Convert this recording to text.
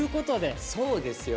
そうですよ。